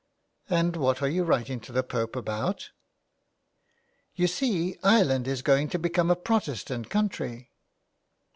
" And what are you writing to the Pope about? "" You see Ireland is going to become a Protestant country."